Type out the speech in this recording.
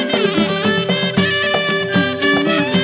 โปรดติดตามต่อไป